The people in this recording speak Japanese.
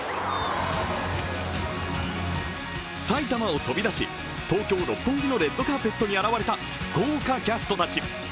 埼玉を飛び出し東京・六本木のレッドカーペットに現れた豪華キャストたち。